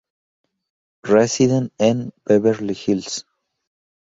Residen en Beverly Hills.